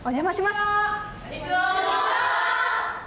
こんにちは。